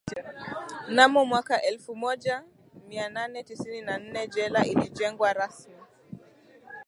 Mnamo mwaka elfu moja mia nane tisini na nne jela ilijengwa rasmi